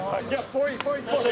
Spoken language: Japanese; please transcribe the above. ぽいぽいぽい！